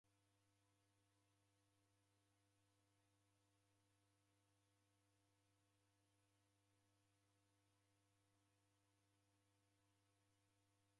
W'akenya w'ose wekundika w'ishukuru kwa kila ilagho